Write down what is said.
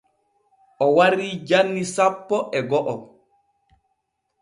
O warii janni sappo e go’o.